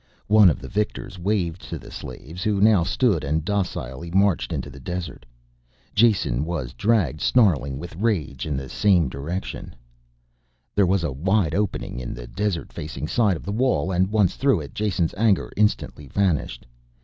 One of the victors waved to the slaves who now stood and docilely marched into the desert. Jason was dragged, snarling with rage, in the same direction. There was a wide opening in the desert facing side of the wall and once through it Jason's anger instantly vanished.